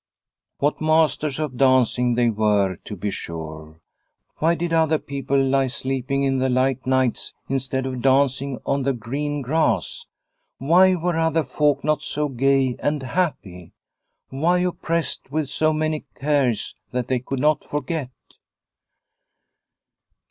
What masters of dancing they were to be sure ! Why did other people lie sleeping in the light nights instead of dancing on the green grass? Why were other folk not so gay and happy? Why oppressed with so many cares that they could not forget